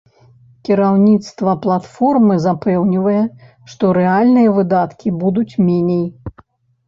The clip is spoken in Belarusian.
Кіраўніцтва платформы запэўнівае, што рэальныя выдаткі будуць меней.